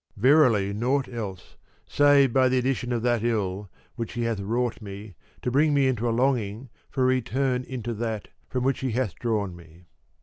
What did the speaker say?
Verily nought else, save by addition of that ill which he hath wrought me, to bring me into a longing for return into that from which he hath drawn me.